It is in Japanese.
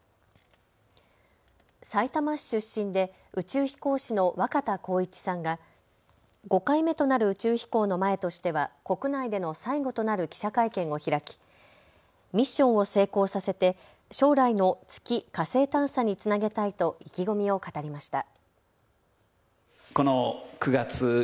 さいたま市出身で宇宙飛行士の若田光一さんが５回目となる宇宙飛行の前としては国内での最後となる記者会見を開きミッションを成功させて将来の月、火星探査につなげたいと意気込みを語りました。